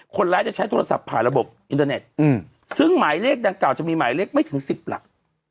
คนร้ายจะใช้โทรศัพท์ผ่านระบบอินเทอร์เน็ตซึ่งหมายเลขดังกล่าจะมีหมายเลขไม่ถึง๑๐หลัก